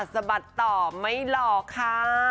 สบัติต่อไม่หลอกค่ะ